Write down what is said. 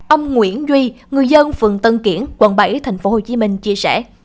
ông nguyễn duy người dân phường tân kiển quận bảy tp hcm chia sẻ